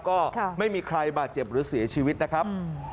ก็ไม่มีใครบาดเจ็บหรือเสียชีวิตนะครับ